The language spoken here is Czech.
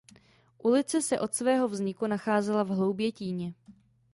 Ulice se od svého vzniku nacházela v Hloubětíně.